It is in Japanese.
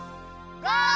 ゴー！